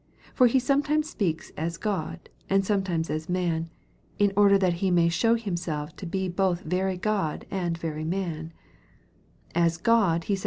For He sometimes speaks as God, and sometimes & man, in order that He may show Himself to be both very God aaJ 292 EXPOSITORY THOUQnrS.